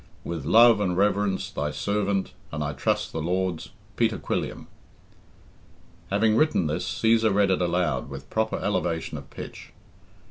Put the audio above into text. With love and reverence, thy servant, and I trust the Lord's, Peter Quilliam." Having written this, Cæsar read it aloud with proper elevation of pitch.